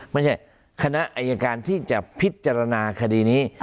ไม่ใช่คณะอายการที่จะพิจารณาคดีนี้